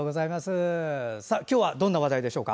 今日はどんな話題でしょうか？